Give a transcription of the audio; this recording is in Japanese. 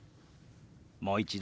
もう一度。